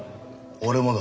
俺もだ。